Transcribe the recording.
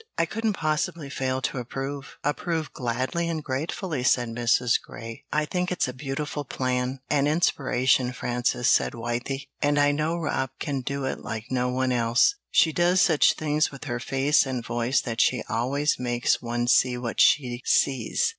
"I couldn't possibly fail to approve, approve gladly and gratefully," said Mrs. Grey. "I think it's a beautiful plan an inspiration, Frances," said Wythie. "And I know Rob can do it like no one else; she does such things with her face and voice that she always makes one see what she sees."